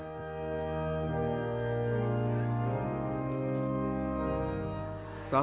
perhimpunan yang diperlukan oleh tuan ma